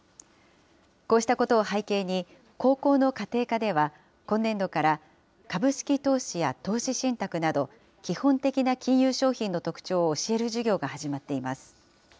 こうしたことを背景に、高校の家庭科では、今年度から株式投資や投資信託など、基本的な金融商品の特徴を教える授業が始まっています。